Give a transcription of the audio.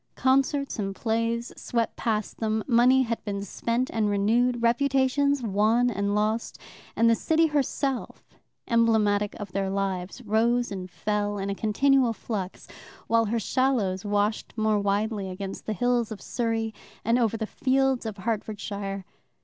Concerts and plays swept past them, money had been spent and renewed, reputations won and lost, and the city herself, emblematic of their lives, rose and fell in a continual flux, while her shallows washed more widely against the hills of Surrey and over the fields of Hertfordshire.